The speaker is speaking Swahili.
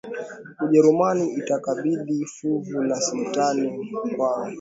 Ujerumani itakabidhi fuvu la Sultani Mkwawa lililohamishwa kutoka Afrika ya Mashariki